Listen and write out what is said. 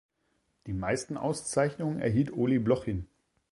Die meisten Auszeichnungen erhielt Oleh Blochin.